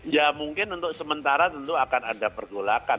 ya mungkin untuk sementara tentu akan ada pergolakan